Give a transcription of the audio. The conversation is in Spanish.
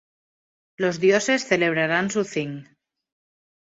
Los dioses celebrarán su Thing.